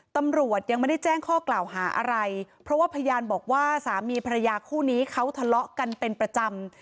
ตำรวจยังไม่ได้แจ้งข้อกล่าวหาอะไรเพราะว่าพยานบอกว่าสามีภรรยาคู่นี้เขาทะเลาะกันเป็นประจำ